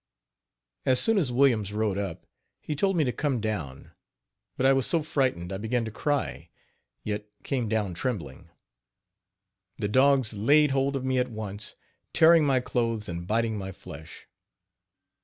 As soon as Williams rode up, he told me to come down, but I was so frightened I began to cry, yet came down trembling. The dogs laid hold of me at once, tearing my clothes and biting my flesh.